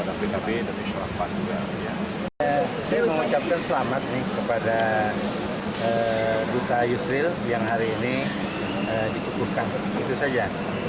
saya mengucapkan selamat kepada duta yusril yang hari ini dikukuhkan itu saja